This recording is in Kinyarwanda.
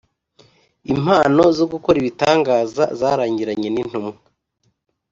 Impano zo gukora ibitangaza zarangiranye n intumwa